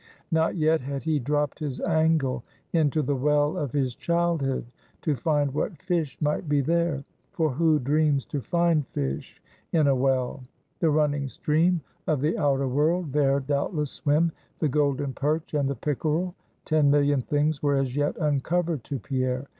Not yet had he dropped his angle into the well of his childhood, to find what fish might be there; for who dreams to find fish in a well? the running stream of the outer world, there doubtless swim the golden perch and the pickerel! Ten million things were as yet uncovered to Pierre.